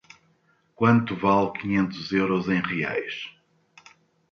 Quanto vale quinhentos euros em reais?